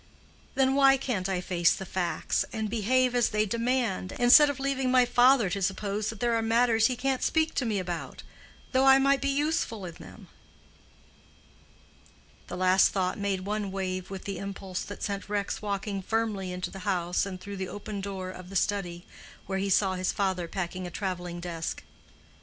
Then why can't I face the facts, and behave as they demand, instead of leaving my father to suppose that there are matters he can't speak to me about, though I might be useful in them?" The last thought made one wave with the impulse that sent Rex walking firmly into the house and through the open door of the study, where he saw his father packing a traveling desk.